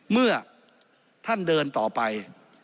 เมื่อท่านเดินต่อไป